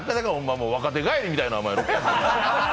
若手かいみたいな。